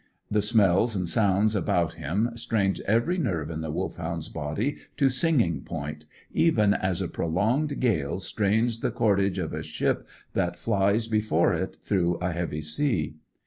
The smells and sounds about him strained every nerve in the Wolfhound's body to singing point, even as a prolonged gale strains the cordage of a ship that flies before it through a heavy sea.